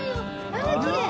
あらきれい！